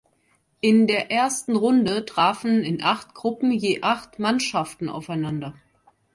In der ersten Runde trafen in acht Gruppen je acht Mannschaften aufeinander.